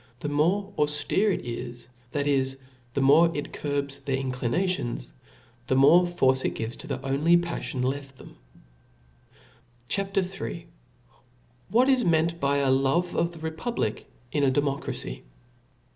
The more auftere it is, that is, the more it curbs their incli nations, the more force it gives to the only paflion left them. C H A P. III.' W/iat is meant by a love of the Republic in a Democracy.